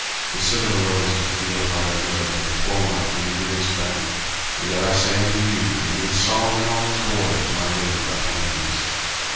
Consider the lilies of the field, how they grow; they toil not, neither do they spin: 40:006:029 And yet I say unto you, That even Solomon in all his glory was not arrayed like one of these.